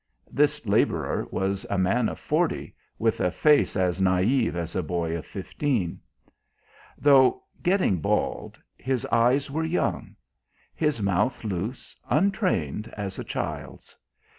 This labourer was a man of forty with a face as naïve as a boy of fifteen. Though getting bald, his eyes were young; his mouth loose, untrained as a child's.